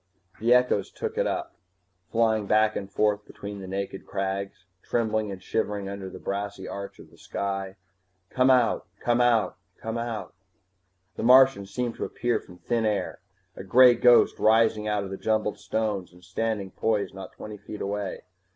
The echoes took it up, flying back and forth between the naked crags, trembling and shivering under the brassy arch of sky. _Come out, come out, come out _ The Martian seemed to appear from thin air, a gray ghost rising out of the jumbled stones and standing poised not twenty feet away.